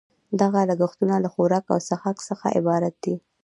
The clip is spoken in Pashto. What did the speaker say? دغه لګښتونه له خوراک او څښاک څخه عبارت دي